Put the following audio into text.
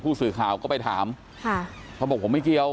ผู้สื่อข่าวก็ไปถามค่ะเขาบอกผมไม่เกี่ยว